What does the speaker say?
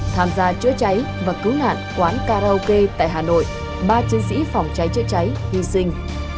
tham gia chữa cháy và cứu nạn quán karaoke tại hà nội ba chiến sĩ phòng cháy chữa cháy hy sinh